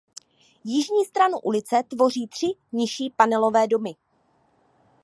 Jižní stranu ulice tvoří tři nižší panelové domy.